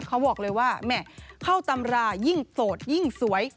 เขาบอกเลยว่าแหม่เข้าตำรายิ่งโสดยิ่งสวย